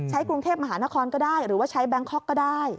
กรุงเทพมหานครก็ได้หรือว่าใช้แบงคอกก็ได้